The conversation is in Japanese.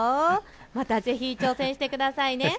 またぜひ挑戦してください。